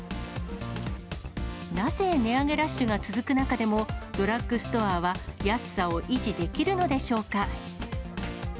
なぜ値上げラッシュが続く中でも、ドラッグストアは安さを維持できるのでしょうか。